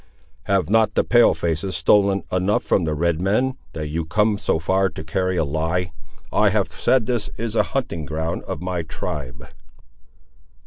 "Have not the pale faces stolen enough from the red men, that you come so far to carry a lie? I have said that this is a hunting ground of my tribe."